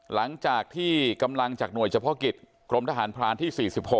หลังจากที่กำลังจากหน่วยเฉพาะกิจกรมทหารพรานที่๔๖